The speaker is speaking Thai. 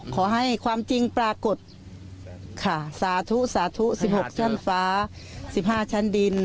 ขอให้ความจริงปรากฏค่ะสาธุสาธุ๑๖ชั้นฟ้า๑๕ชั้นดิน